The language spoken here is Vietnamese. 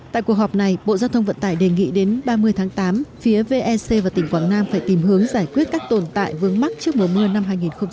tại cuộc họp này bộ giao thông vận tải đề nghị đến ba mươi tháng tám phía vec và tỉnh quảng nam phải tìm hướng giải quyết các tồn tại vướng mắc trước mùa mưa năm hai nghìn một mươi chín